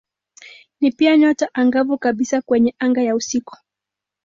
Ni pia nyota angavu kabisa kwenye anga ya usiku.